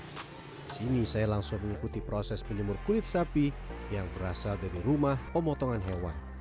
di sini saya langsung mengikuti proses penjemur kulit sapi yang berasal dari rumah pemotongan hewan